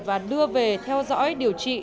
và đưa về theo dõi điều trị